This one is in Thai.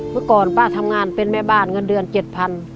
เมื่อก่อนป้าทำงานเป็นแม่บ้านเงินเดือน๗๐๐บาท